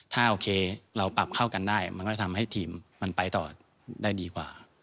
ถ้าโอเคเราปรับเข้ากันได้มันก็ทำให้ทีมมันไปต่อได้ดีกว่า